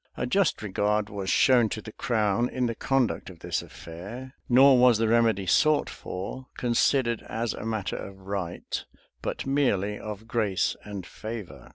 A just regard was shown to the crown in the conduct of this affair; nor was the remedy sought for considered as a matter of right, but merely of grace and favor.